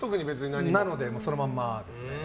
なので、そのままです。